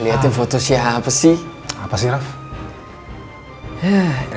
lihat lihat foto siapa sih apa sih